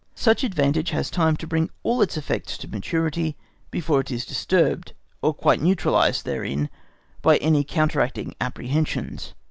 Such advantage has time to bring all its effects to maturity before it is disturbed, or quite neutralised therein, by any counteracting apprehensions.